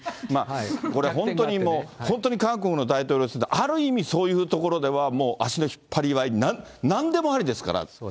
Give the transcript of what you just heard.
これ、本当にもう本当に韓国の大統領選ってある意味、そういうところではもう足の引っ張り合い、なんでもありですから。